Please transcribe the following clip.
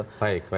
oke baik baik